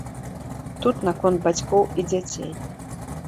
Тут наконт бацькоў і дзяцей.